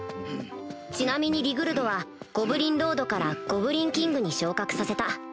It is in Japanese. ちなみにリグルドはゴブリン・ロードからゴブリン・キングに昇格させた